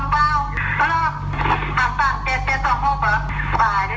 ที่เขาก็ไม่รับไปได้เลย